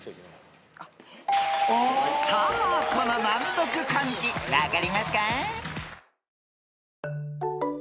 ［この難読漢字分かりますか？］